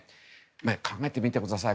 考えてみてください。